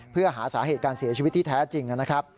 เพื่อหาสาเหตุการณ์เสียชีวิตที่แท้จริง